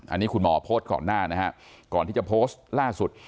อันนี้คุณหมอโพสต์ก่อนหน้านะฮะก่อนที่จะโพสต์ล่าสุด